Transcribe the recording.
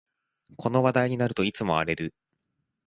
この話題になるといつも荒れる